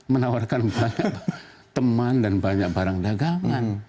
menawarkan banyak teman dan banyak barang dagangan